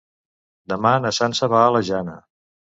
Demà na Sança va a la Jana.